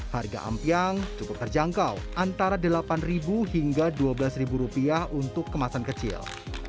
harga ampiang cukup terjangkau antara rp delapan hingga rp dua belas rupiah untuk kemasan kecil